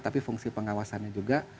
tapi fungsi pengawasannya juga